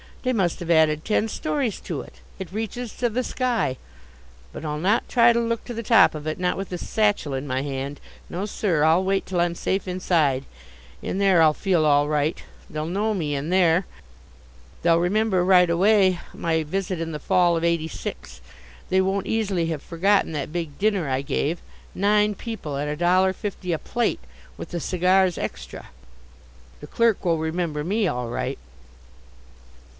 They must have added ten stories to it. It reaches to the sky. But I'll not try to look to the top of it. Not with this satchel in my hand: no, sir! I'll wait till I'm safe inside. In there I'll feel all right. They'll know me in there. They'll remember right away my visit in the fall of '86. They won't easily have forgotten that big dinner I gave nine people at a dollar fifty a plate, with the cigars extra. The clerk will remember me, all right.